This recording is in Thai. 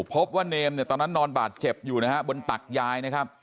พบว่าเนมเนี่ยตอนนั้นนอนบาดเจ็บอยู่นะฮะบนตักยายนะครับ